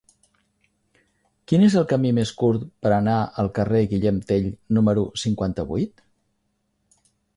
Quin és el camí més curt per anar al carrer de Guillem Tell número cinquanta-vuit?